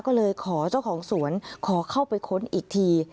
ก็เลยขอเจ้าของสวนขอเข้าไปค้นอีกที